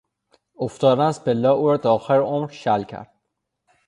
افتادن از پلهها او را تا آخر عمر شل کرد.